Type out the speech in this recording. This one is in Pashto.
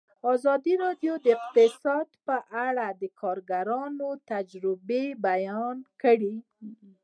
ازادي راډیو د اقتصاد په اړه د کارګرانو تجربې بیان کړي.